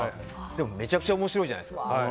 でも、めちゃくちゃ面白いじゃないですか。